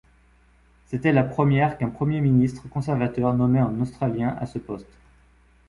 C'était la première qu'un Premier ministre conservateur nommait un Australien à ce poste.